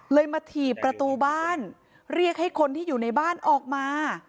มาถีบประตูบ้านเรียกให้คนที่อยู่ในบ้านออกมา